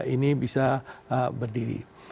ini bisa berdiri